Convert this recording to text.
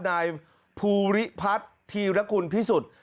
นายภูริพัฒน์ธีรคุณพิสุทธิ์